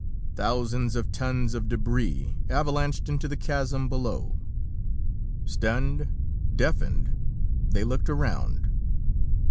Thousands of tons of debris avalanched into the chasm below. Stunned, deafened, they looked around.